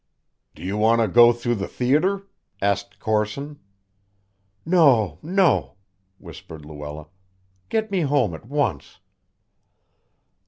"Do you want to go through the theater?" asked Corson. "No no," whispered Luella, "get me home at once."